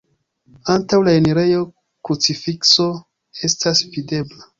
Antaŭ la enirejo krucifikso estas videbla.